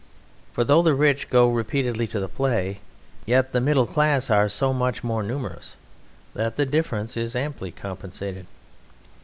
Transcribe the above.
For though the rich go repeatedly to the play, yet the middle class are so much more numerous that the difference is amply compensated.